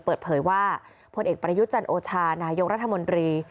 เปิดเผยว่าผลเอกประยุทธ์จันโอชานายกรัฐมนตรี